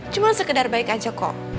cuma sekedar baik aja kok